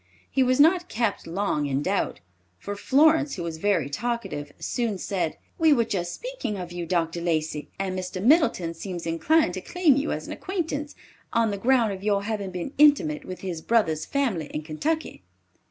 He was not kept long in doubt, for Florence, who was very talkative, soon said, "We were just speaking of you, Dr. Lacey, and Mr. Middleton seems inclined to claim you as an acquaintance, on the ground of your having been intimate with his brother's family in Kentucky."